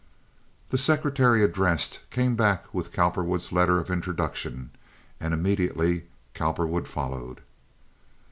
The secretary addressed came back with Cowperwood's letter of introduction, and immediately Cowperwood followed.